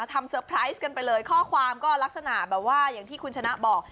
เซอร์ไพรส์กันไปเลยข้อความก็ลักษณะแบบว่าอย่างที่คุณชนะบอก